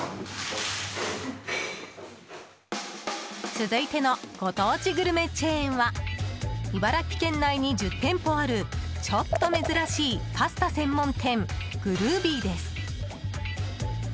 続いてのご当地グルメチェーンは茨城県内に１０店舗あるちょっと珍しいパスタ専門店グルービーです。